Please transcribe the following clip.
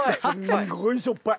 すごいしょっぱい。